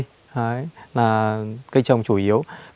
trang trại chimmy thì sản phẩm chủ yếu là cây trồng